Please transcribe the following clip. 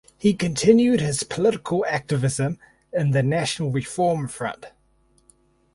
He continued his political activism in the National Reform Front.